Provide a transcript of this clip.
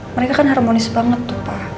mereka kan harmonis banget tuh pak